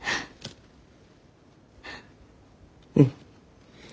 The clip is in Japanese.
うん。